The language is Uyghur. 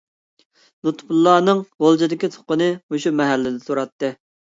لۇتپۇللانىڭ غۇلجىدىكى تۇغقىنى مۇشۇ مەھەللىدە تۇراتتى.